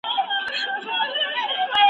نیمه پټه په زړو څیري جامو کي .